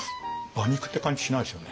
馬肉って感じしないですよね。